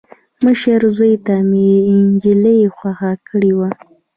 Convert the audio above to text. مشر زوي ته مې انجلۍ خوښه کړې وه.